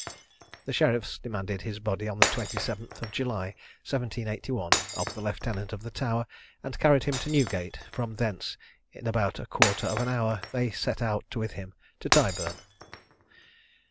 The sheriffs demanded his body, on the 27th of July, 1781, of the lieutenant of the Tower, and carried him to Newgate, from thence in about a quarter of an hour they set out with him to Tyburn.